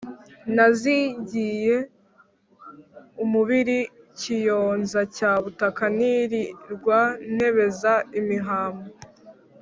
nazingiye umubili kiyonza cya butaka, nilirwa ntebeza imihama,